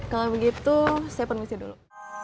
kalau begitu saya permisi dulu